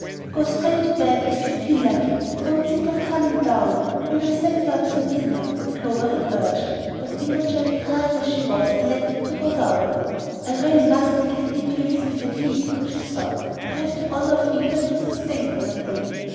"Go straight to bed if you feel like it. Don't think of coming down. We will send you up some dinner," Clover had urged; but Imogen, tired as she was, elected to go down. "I really mustn't give in to a little fatigue," she thought. "I have the honor of England to sustain over here."